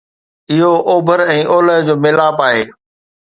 اهو اوڀر ۽ اولهه جو ميلاپ آهي